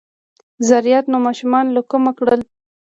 ـ زیارت نوماشومان له کومه کړل!